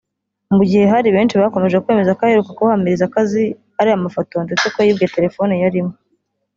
mu gihe hari benshi bakomeje kwemeza ko aheruka kubahamiriza ko azi ariya mafoto ndetse ko yibwe telefone yarimo